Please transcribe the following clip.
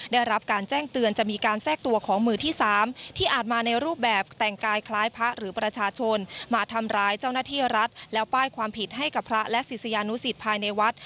ได้รับการแจ้งเตือนจะมีการแทรกตัวของมือที่๓ที่อาจมาในรูปแบบแต่งกายคล้ายพระหรือประชาชนมาทำร้ายเจ้าหน้าที่รัฐแล้วป้ายความผิดให้กับพระและศิษยานุสิตภายในวัด